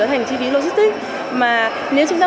thành chi phí logistic mà nếu chúng ta